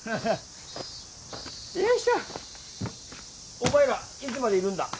お前らいつまでいるんだ？